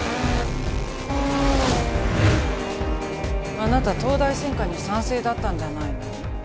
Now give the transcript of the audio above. あなた東大専科に賛成だったんじゃないの？